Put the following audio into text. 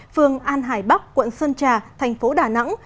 phường an hải bắc quận sơn trà thành phố đà nẵng